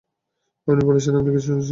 আপনি বলেছেন, আপনি কিছু শুনেছেন!